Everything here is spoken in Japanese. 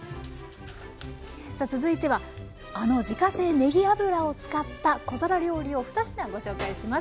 さあ続いてはあの自家製ねぎ油を使った小皿料理を２品ご紹介します。